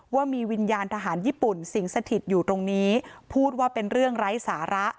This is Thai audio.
ว่ามีวิญญาณทหารญี่ปุ่นสิงสถิตอยู่ตรงนี้พูดว่าเป็นเรื่องไร้สาระ